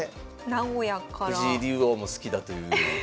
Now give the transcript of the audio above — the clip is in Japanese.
藤井竜王も好きだという。